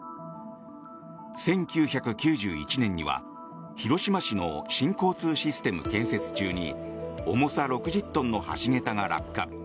１９９１年には広島市の新交通システム建設中に重さ６０トンの橋桁が落下。